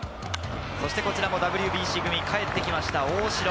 こちらもＷＢＣ組、帰ってきました、大城。